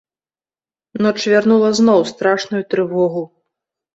Ноч вярнула зноў страшную трывогу.